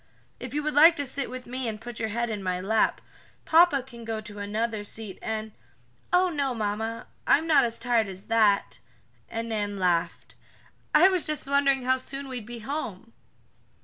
"If you would like to sit with me and put your head in my lap, papa can go to another seat and " "Oh, no, mamma, I'm not as tired as that," and Nan laughed. "I was just wondering how soon we'd be home."